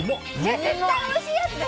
絶対おいしいやつだ！